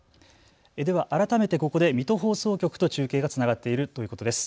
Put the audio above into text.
では改めてここで水戸放送局と中継がつながっているということです。